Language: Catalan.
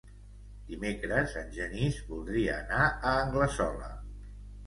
Dimecres en Genís voldria anar a Anglesola.